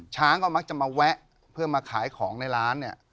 ช้างก็มักจะมาแวะเพื่อมาขายของในร้านเนี่ย